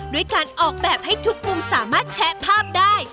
ด้วยการออกแบบให้ทุกมุมสามารถแชะภาพได้